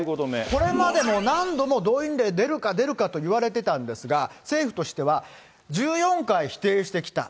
これまでも何度も動員令、出るか出るかと言われてたんですが、政府としては、１４回否定してきた。